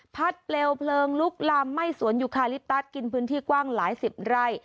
เปลวเพลิงลุกลามไหม้สวนยุคาลิปตัสกินพื้นที่กว้างหลายสิบไร่